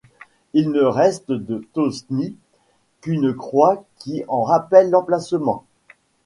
Il ne reste de Thosny qu'une croix qui en rappelle l'emplacement.